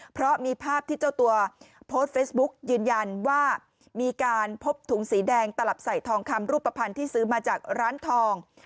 เพราะมีภาพที่เจ้าตัวโพสต์เฟซบุ๊กยืนยันว่ามีการพบถุงสีแดงตลับใส่ทองคำรูปภัณฑ์ที่ซื้อมาจากร้านทอง